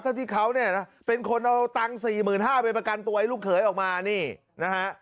ถ้าที่เขาเนี่ยนะเป็นคนเอาตังสี่หมื่นห้าเป็นประกันตัวให้ลูกเขยออกมานี่นะฮะ